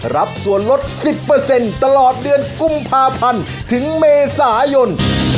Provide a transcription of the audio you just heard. รับส่วนลด๑๐ตลอดเดือนกุมภาพันธ์ถึงเมษายน